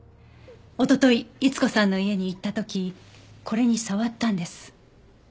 おととい逸子さんの家に行った時これに触ったんです。